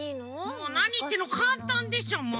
もうなにいってんのかんたんでしょ。え？